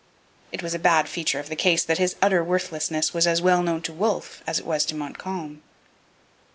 It was a bad feature of the case that his utter worthlessness was as well known to Wolfe as it was to Montcalm.